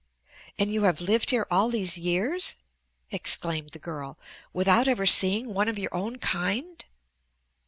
"And you have lived here all these years," exclaimed the girl, "without ever seeing one of your own kind?"